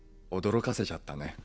驚かせちゃったね。